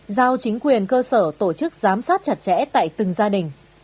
giao chính quyền cơ sở tổ chức giám sát chặt chẽ tại từng gia đình